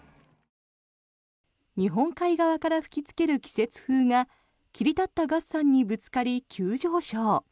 日本海側から吹きつける季節風が切り立った月山にぶつかり急上昇。